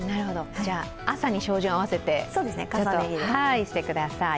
じゃあ朝に照準を合わせて重ね着してください。